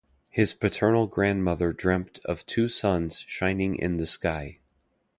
His paternal grandmother dreamt of two suns shining in the sky.